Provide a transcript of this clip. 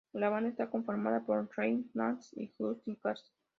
La banda está conformada por Leigh Nash, y Justin Cary.